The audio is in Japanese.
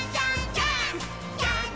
ジャンプ！！」